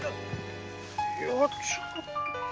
いやちょっと。